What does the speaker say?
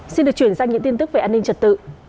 xin được chuyển sang những tin tức về an ninh trật tự